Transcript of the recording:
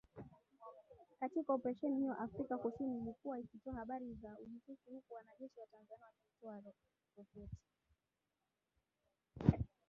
Katika Oparesheni hiyo Afrika kusini ilikuwa ikitoa habari za ujasusi huku wanajeshi wa Tanzania wakitumia roketi